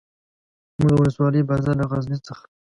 زموږ د ولسوالۍ بازار له غزني څخه.